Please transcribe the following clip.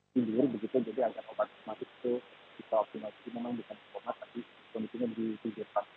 jadi agar obat obat itu bisa optimal memang bukan koma tapi kondisinya berhubungan